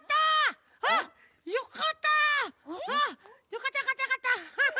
よかったよかったよかったハハハ。